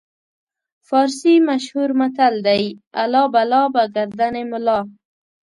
فارسي مشهور متل دی: الله بلا به ګردن ملا.